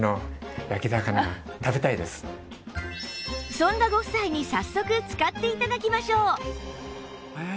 そんなご夫妻に早速使って頂きましょう！